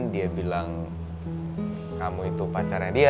dia bilang kamu itu pacarnya dia